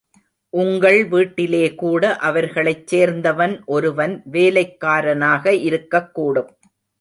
உங்கள் வீட்டிலேகூட, அவர்களைச் சேர்ந்தவன் ஒருவன் வேலைக்காரனாக இருக்கக்கூடும்!